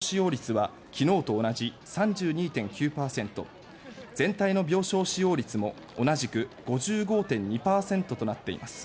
重症者用の病床使用率は昨日と同じ３２．９％全体の病床使用率も同じく５５．２％となっています。